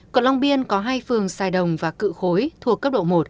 quận long biên có hai phường sài đồng và cự khối thuộc cấp độ một